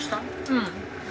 うん。